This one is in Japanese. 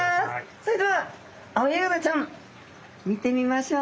それではアオヤガラちゃん見てみましょう。